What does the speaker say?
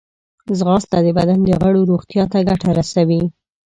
ځغاسته د بدن د غړو روغتیا ته ګټه رسوي